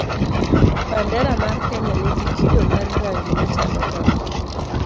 Bandera mar kenya nigi kido mar rangi machalo kamaa: